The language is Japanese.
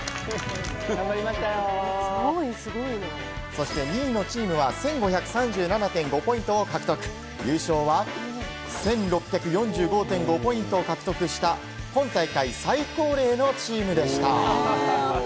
そして２位のチームは１５３７．５ポイントを獲得、優勝は１６４５．５ポイントを獲得した、今大会最高齢のチームでした。